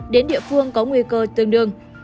đến địa phương có nguy cơ tương đương